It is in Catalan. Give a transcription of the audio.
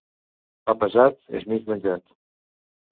Pa pesat és mig menjat.